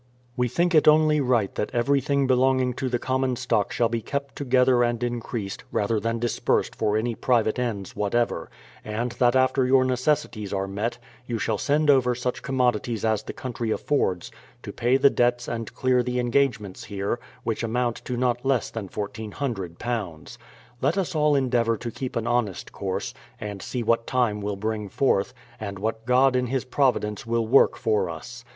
We think it only right that everything belonging to the common stock shall be kept together and increased, rather than dispersed for any private ends whatever; and that after your necessities are met, you shall send over such commodities as the country affords, to pay the debts and clear the engagements here, which amount to not less than £1400. Let ns all endeavour to keep an honest course, and see what time will bring forth, and what God in His providence will work for us.